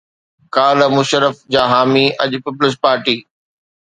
ڪالهه مشرف جا حامي اڄ پيپلز پارٽي